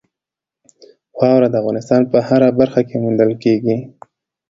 واوره د افغانستان په هره برخه کې موندل کېږي.